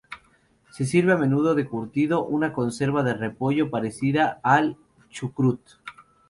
Se sirve a menudo de curtido, una conserva de repollo parecida al chucrut.